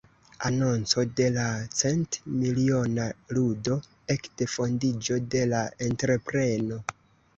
Anonco de la cent-miliona ludo ekde fondiĝo de la entrepreno.